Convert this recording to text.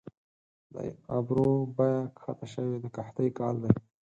د ابرو بیه کښته شوې د قحطۍ کال دي